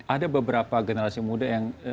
ada beberapa generasi muda yang